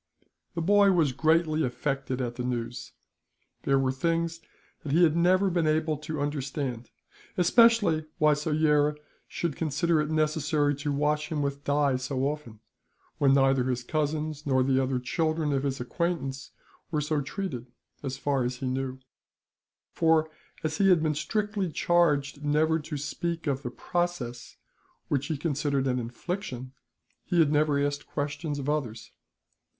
The boy was greatly affected at the news. There were things that he had never been able to understand; especially why Soyera should consider it necessary to wash him with dye so often, when neither his cousins nor the other children of his acquaintance were so treated as far as he knew, for as he had been strictly charged never to speak of the process, which he considered an infliction, he had never asked questions of others.